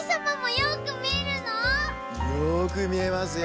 よくみえますよ。